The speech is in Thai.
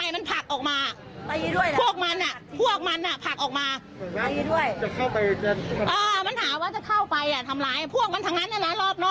เมืองไทยเป็นอย่างเงี้ยไม่ได้เลยโอ้โห